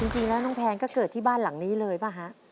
จริงแล้วน้องแพนก็เกิดที่บ้านหลังนี้เลยป่ะฮะ